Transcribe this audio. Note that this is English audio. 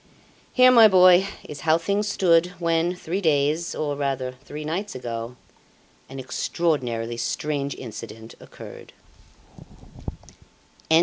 Here, my boy, is how things stood when, three days, or rather three nights ago, an extraordinarily strange incident occurred."